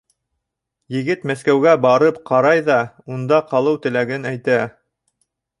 Егет Мәскәүгә барып ҡарай ҙа унда ҡалыу теләген әйтә.